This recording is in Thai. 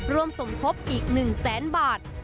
สมทบอีก๑แสนบาท